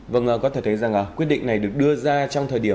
vâng có thể thấy rằng quyết định này được đưa ra trong thời điểm